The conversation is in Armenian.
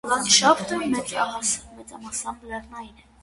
Լանդշաֆտը մեծամասամբ լեռնային է։